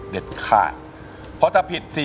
เด็ดค่าเพราะถ้าผิด